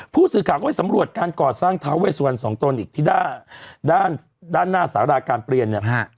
ผู้สื่อข่าวก็ไปสำรวจการก่อสร้างท้าเวสวันสองตนอีกที่ด้านด้านหน้าสาราการเปลี่ยนเนี่ย